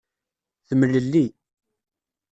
Temlelli.